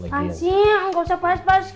pasien gausah pas pas